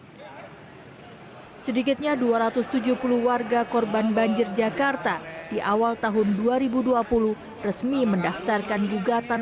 hai sedikitnya dua ratus tujuh puluh warga korban banjir jakarta di awal tahun dua ribu dua puluh resmi mendaftarkan gugatan